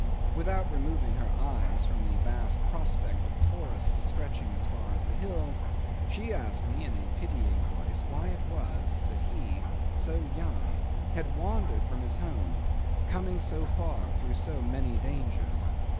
Without removing her eyes from the vast prospect of forests stretching as far as the hills, she asked me in a pitying voice why was it that he so young had wandered from his home, coming so far, through so many dangers?